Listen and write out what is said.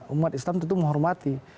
umat islam tentu menghormati